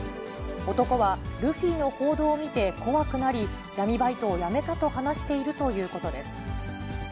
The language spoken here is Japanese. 男は、ルフィの報道を見て怖くなり、闇バイトを辞めたと話しているということです。